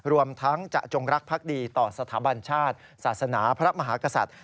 รวมทั้งจะจงรักภักดีต่อสถาบันชาติศาสนาพระมหากษัตริย์